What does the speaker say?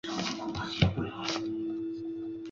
洛克海吉。